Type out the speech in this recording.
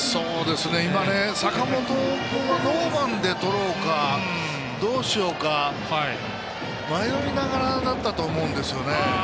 坂本君がノーバウンドでとろうかどうしようか迷いながらだったと思うんですよね。